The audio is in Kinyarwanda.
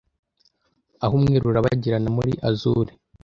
aho umweru urabagirana muri azure